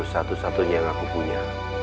satu satunya yang aku punya